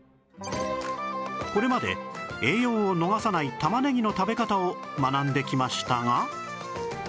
これまで栄養を逃さない玉ねぎの食べ方を学んできましたが